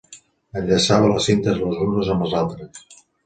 Enllaçava les cintes les unes amb les altres.